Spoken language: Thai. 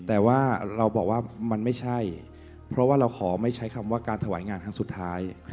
แต่ว่าเราบอกว่ามันไม่ใช่เพราะว่าเราขอไม่ใช้คำว่าการถวายงานครั้งสุดท้าย